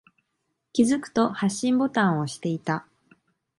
気づくと、発信ボタンを押していた。